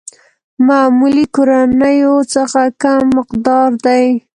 معمولي کورنيو څخه کم مقدار دي.